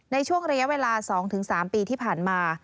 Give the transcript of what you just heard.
ในช่วงระยะเวลา๒๓ปีที่ผ่านมา